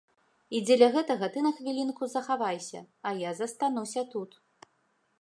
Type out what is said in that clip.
І дзеля гэтага ты на хвілінку захавайся, а я застануся тут.